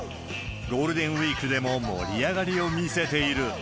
ゴールデンウィークでも盛り上がりを見せている。